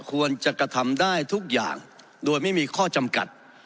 ควรจะกระทำได้ทุกอย่างโดยไม่มีข้อจำกัด